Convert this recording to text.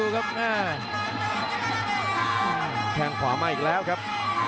แครงขวามาอีกแล้วครับ